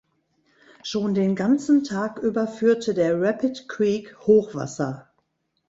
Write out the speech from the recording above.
Schon den ganzen Tag über führte der Rapid Creek Hochwasser.